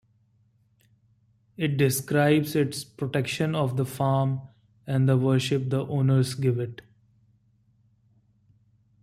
It describes its protection of the farm and the worship the owners give it.